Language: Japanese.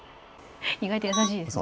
意外と優しいんですね。